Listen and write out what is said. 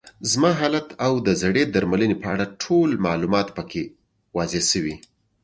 زما حالت او د زړې درملنې په اړه ټول معلومات پکې واضح شوي.